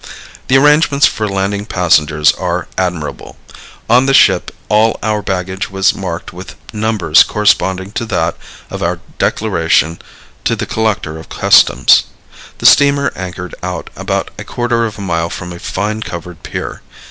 The arrangements for landing passengers are admirable. On the ship all our baggage was marked with numbers corresponding to that of our declaration to the collector of customs. The steamer anchored out about a quarter of a mile from a fine covered pier.